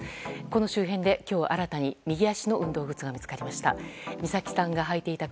この周辺で今日新たに右足の運動靴が見つかりました。